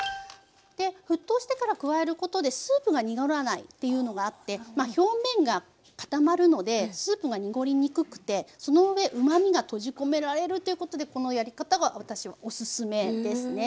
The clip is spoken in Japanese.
で沸騰してから加えることでスープが濁らないっていうのがあってまあ表面が固まるのでスープが濁りにくくてそのうえうまみが閉じ込められるということでこのやり方が私はおすすめですね。